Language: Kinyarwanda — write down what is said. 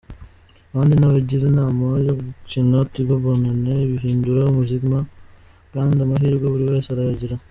Abandi nabagira inama yo gukina Tigo Bonane, bihindura ubuzima, kandi amahirwe buri wese arayagira.